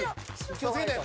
気を付けて。